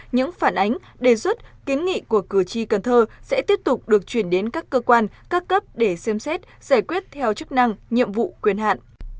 những phản ánh đề xuất kiến nghị của cử tri cần thơ sẽ tiếp tục được chuyển đến các cơ quan các cấp để xem xét giải quyết theo chức năng nhiệm vụ quyền hạn